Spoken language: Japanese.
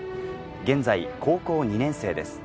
現在高校２年生です。